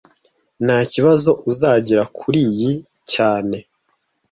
Ntakibazo uzagira kuriyi cyane